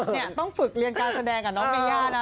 เนี่ยต้องฝึกเรียนการแสดงกับน้องเมย่านะ